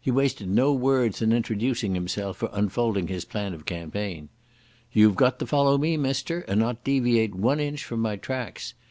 He wasted no words in introducing himself or unfolding his plan of campaign. "You've got to follow me, mister, and not deviate one inch from my tracks.